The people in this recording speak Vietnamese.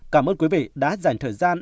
cảm ơn quý vị đã dành thời gian